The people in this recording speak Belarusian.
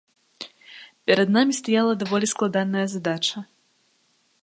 Перад намі стаяла даволі складаная задача.